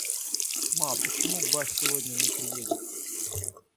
Ма, а почему ба сегодня не приедет?